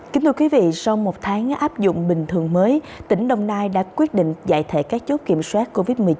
kính thưa quý vị sau một tháng áp dụng bình thường mới tỉnh đồng nai đã quyết định giải thể các chốt kiểm soát covid một mươi chín